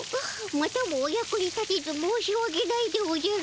またもお役に立てず申しわけないでおじゃる。